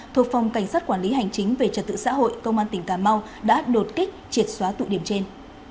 thuộc phòng cảnh sát quản lý hành chính về trật tự xã hội công an tỉnh cà mau đã đột kích triệt xóa tụ điểm trên